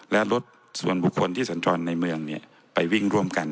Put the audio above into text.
และรถส่วนบุคคลที่สัญจรในเมืองไปวิ่งร่วมกัน